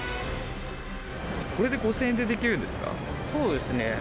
これで５０００円でできるんそうですね。